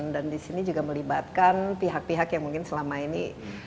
dan di sini juga melibatkan pihak pihak yang mungkin selama ini